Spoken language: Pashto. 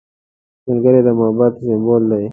ملګری د محبت سمبول دی